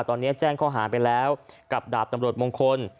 ตอนนี้แจ้งข้อหาไปแล้วกับดาบตำรวจมงคล